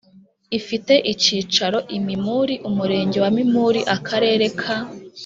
ifite icyicaro i Mimuli Umurenge wa Mimuli Akarere ka